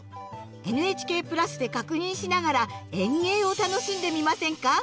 ＮＨＫ＋で確認しながら園芸を楽しんでみませんか？